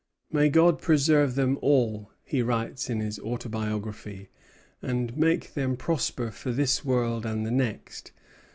"May God preserve them all," he writes in his autobiography, "and make them prosper for this world and the next!